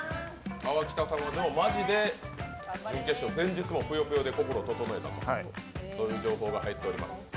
川北さんもマジで準決勝、ぷよぷよで心を整えたという情報も入ってます。